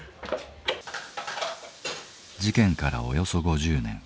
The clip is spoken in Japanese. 事件からおよそ５０年。